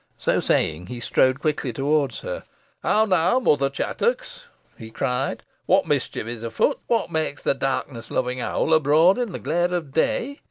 So saying, he strode quickly towards her. "How now, Mother Chattox!" he cried. "What mischief is afoot? What makes the darkness loving owl abroad in the glare of day?